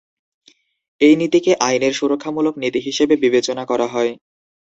এই নীতিকে আইনের সুরক্ষামূলক নীতি হিসেবে বিবেচনা করা হয়।